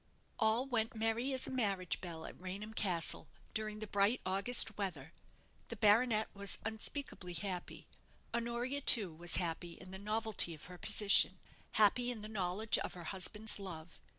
All went merry as a marriage bell at Raynham Castle during the bright August weather. The baronet was unspeakably happy. Honoria, too, was happy in the novelty of her position; happy in the knowledge of her husband's love.